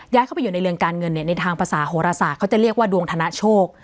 เข้าไปอยู่ในเรือนการเงินในทางภาษาโหรศาสตร์เขาจะเรียกว่าดวงธนโชค